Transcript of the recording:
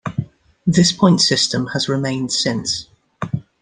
This points system has remained since.